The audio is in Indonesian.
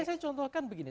nah saya contohkan begini